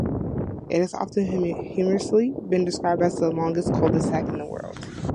It has often humorously been described as "the longest cul-de-sac in the world".